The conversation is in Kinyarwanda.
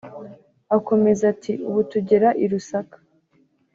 Akomeza ati” ubu tugera i Lusaka